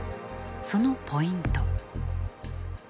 そのポイント。